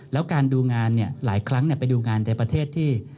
แล้วการดูงานหลายครั้งไปดูงานในประเทศที่